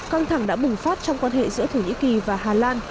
căng thẳng đã bùng phát trong quan hệ giữa thổ nhĩ kỳ và hà lan